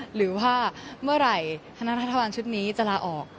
หรือว่าเมื่อไหร่คณะรัฐบาลชุดนี้จะลาออก